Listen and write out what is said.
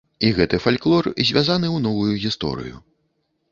І гэты фальклор звязаны ў новую гісторыю.